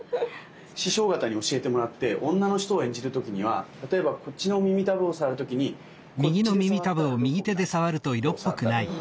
師匠方に教えてもらって女の人を演じる時には例えばこっちの耳たぶを触る時にこっちで触ったら色っぽくないと。